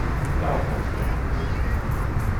Darauf kann ich gerne verzichten.